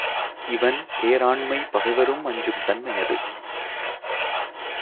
இவன் பேராண்மை பகைவரும் அஞ்சும் தன்மையது.